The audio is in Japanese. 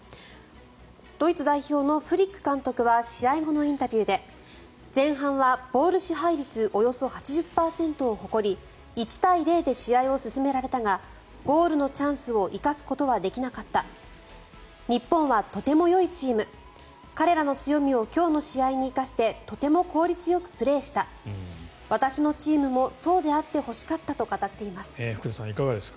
ドイツ代表のフリック監督は試合後のインタビューで前半はボール支配率およそ８０％を誇り１対０で試合を進められたがゴールのチャンスを生かすことはできなかった日本はとてもよいチーム彼らの強みを今日の試合に生かしてとても効率よくプレーした私のチームもそうであってほしかったと語っています。